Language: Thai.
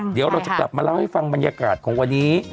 เดี๋ยวเราจะกลับมาเล่าให้ฟังบรรยากาศของวันนี้